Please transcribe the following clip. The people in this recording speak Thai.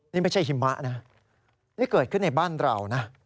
นี่ไม่ใช่หิมะนะนี่เกิดขึ้นในบ้านเรานะ